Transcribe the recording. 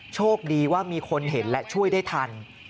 โชคดีว่ามีคนเห็นและช่วยได้ทัน